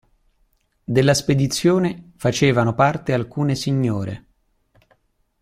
Della spedizione facevano parte alcune signore.